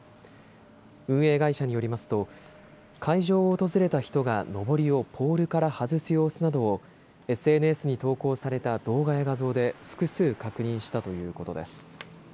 運営会社によりますと会場を訪れた人がのぼりをポールから外す様子などをＳＮＳに投稿された動画や画像で複数、確認したということです。